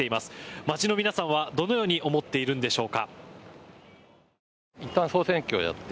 街の皆さんは、どのように思っているんでしょうか。